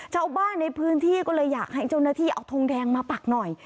ชาวบ้านในพื้นที่ก็เลยอยากให้เจ้าหน้าที่เอาทงแดงมาปักหน่อย